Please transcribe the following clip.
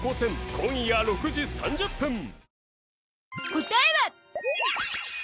答えは。